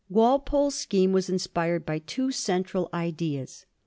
Walpole's scheme was inspired by two central ideas.